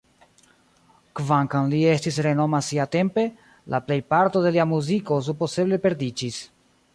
Kvankam li estis renoma siatempe, la plejparto de lia muziko supozeble perdiĝis.